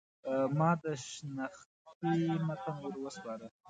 ما د شنختې متن ور وسپاره.